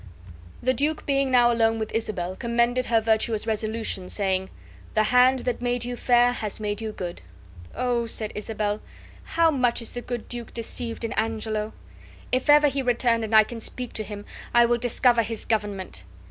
The duke, being now alone with Isabel, commended her virtuous resolution, saying, "The hand that made you fair has made you good." "Oh," said Isabel, "how much is the good duke deceived in Angelo! If ever he return, and I can speak to him, I will discover his government."